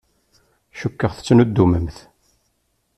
Cukkeɣ tettnuddumemt.